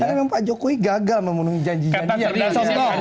karena memang pak jokowi gagal memenuhi janji janji